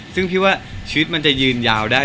ซึ่งพี่ว่าชีวิตมันจะยืนยาวได้